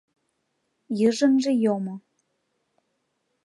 Йыжыҥже йомо.